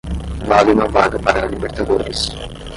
Vale uma vaga para a Libertadores.